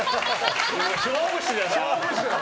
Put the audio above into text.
勝負師だな。